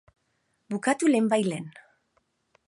Bukatu lehen bait lehen.